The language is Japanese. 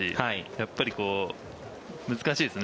やっぱり難しいですよね。